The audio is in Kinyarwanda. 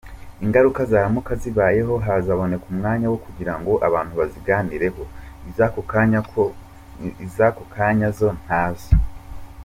Ingaruka zaramuka zibayeho hazaboneka umwanya wo kugirango abantu baziganireho, iz’ako kanya zo ntazo.